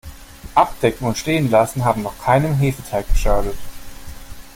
Abdecken und stehen lassen haben noch keinem Hefeteig geschadet.